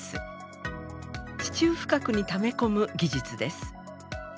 地中深くにため込む技術です。